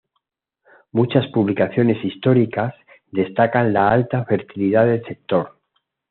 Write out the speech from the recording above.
Muchas publicaciones históricas destacan la alta fertilidad del sector.